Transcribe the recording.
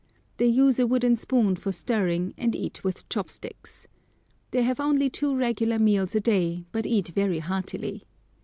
They use a wooden spoon for stirring, and eat with chopsticks. They have only two regular meals a day, but eat very heartily.